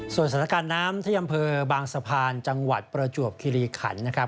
สถานการณ์น้ำที่อำเภอบางสะพานจังหวัดประจวบคิริขันนะครับ